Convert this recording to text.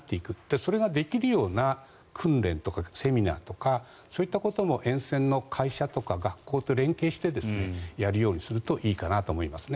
それができるような訓練とかセミナーとかそういったことも沿線の会社とか学校と連携してやるようにするといいかなと思いますね。